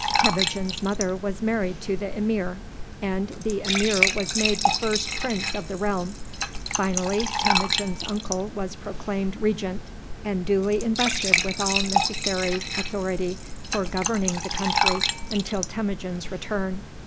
Temujin's mother was married to the emir, and the emir was made the first prince of the realm. Finally, Temujin's uncle was proclaimed regent, and duly invested with all necessary authority for governing the country until Temujin's return.